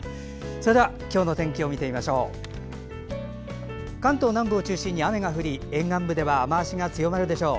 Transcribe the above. それでは今日の天気を見てみましょう。